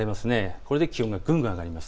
これで気温がぐんと上がります。